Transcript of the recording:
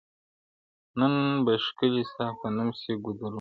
نن به ښکلي ستا په نوم سي ګودرونه.